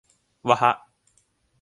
ว่ะฮ่ะ